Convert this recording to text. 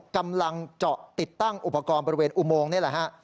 กำลังเจาะติดตั้งอุปกรณ์บริเวณอุโมงนี่แหละฮะ